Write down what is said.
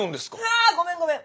あごめんごめん！